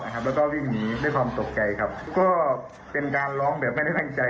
นะครับแล้วก็รีบหนีด้วยความตกใจครับก็เป็นการร้องแบบไม่ได้ทันใจ